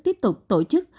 tiếp tục tổ chức